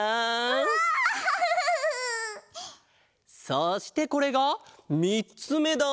そしてこれがみっつめだ。